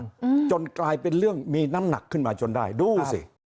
อืมจนกลายเป็นเรื่องมีน้ำหนักขึ้นมาจนได้ดูสิ